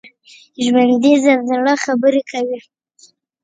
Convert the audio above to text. ژوندي له زړه خبرې کوي